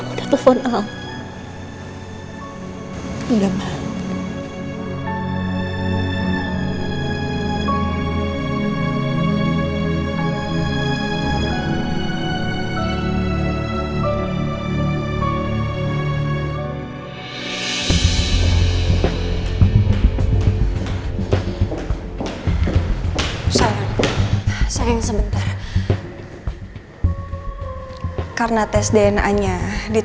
kamu udah telepon aku